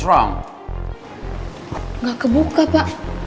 ya udah gue ngerti aja